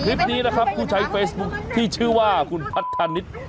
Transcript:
คลิปนี้นะครับผู้ใช้เฟซบุ๊คที่ชื่อว่าคุณพัทธานิษฐ์